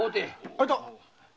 あいた！